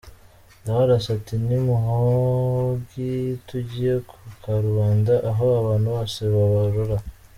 Ndabarasa ati: ”Nimuhogi tujye ku karubanda aho abantu bose babarora”.